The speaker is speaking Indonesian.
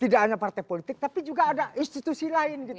tidak hanya partai politik tapi juga ada institusi lain gitu